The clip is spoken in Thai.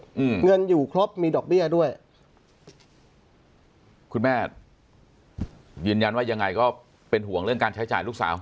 อืมเงินอยู่ครบมีดอกเบี้ยด้วยคุณแม่ยืนยันว่ายังไงก็เป็นห่วงเรื่องการใช้จ่ายลูกสาว